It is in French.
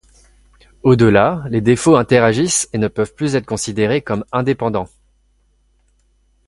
Au-delà, les défauts interagissent et ne peuvent plus être considérés comme indépendants.